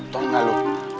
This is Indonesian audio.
tau gak lu